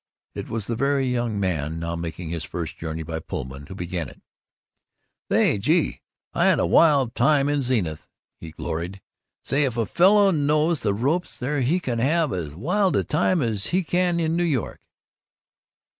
It was the very young man, now making his first journey by Pullman, who began it. "Say, gee, I had a wild old time in Zenith!" he gloried. "Say, if a fellow knows the ropes there he can have as wild a time as he can in New York!"